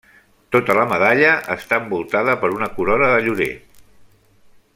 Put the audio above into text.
Tota la medalla està envoltada per una corona de llorer.